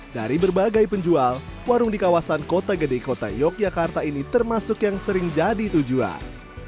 dari berbagai penjual warung di kawasan kota gede kota yogyakarta ini termasuk yang sering jadi tujuan